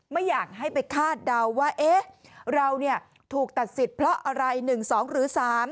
ไม่อยากให้ไปคาดเดาว่าเราถูกตัดสิทธิ์เพราะอะไร๑๒หรือ๓